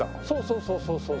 そうそうそうそう